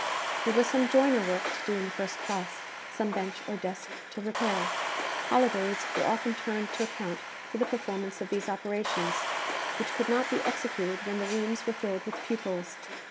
There was some joiner work to do in the first classe, some bench or desk to repair. Holidays were often turned to account for the performance of these operations, which could not be executed when the rooms were filled with pupils.